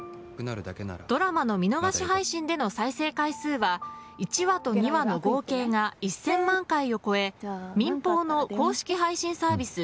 ドラマの見逃し配信での再生回数は１話と２話の合計が１０００万回を超え民放の公式配信サービス